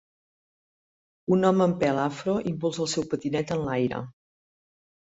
Un home amb pèl afro impulsa el seu patinet en l'aire.